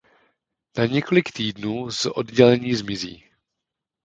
Na několik týdnů z oddělení zmizí.